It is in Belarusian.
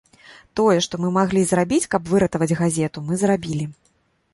Тое, што мы маглі зрабіць, каб выратаваць газету, мы зрабілі.